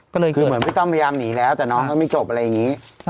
ก็เลยคือเหมือนพี่ต้อมพยายามหนีแล้วแต่น้องก็ไม่จบอะไรอย่างนี้